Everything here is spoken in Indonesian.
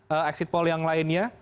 ini hasil exit poll yang lainnya